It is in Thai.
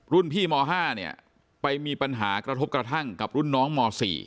รุ่นพี่ม๕เนี่ยไปมีปัญหากระทบกระทั่งกับรุ่นน้องม๔